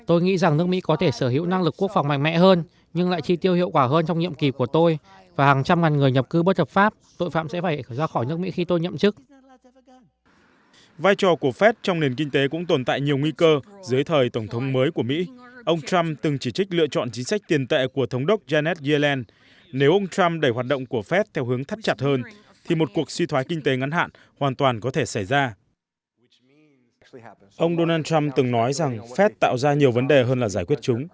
ông donald trump từng nói rằng fed tạo ra nhiều vấn đề hơn là giải quyết chúng